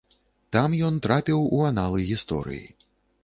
Там ён трапіў у аналы гісторыі.